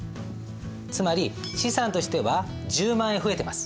つまり資産としては１０万円増えてます。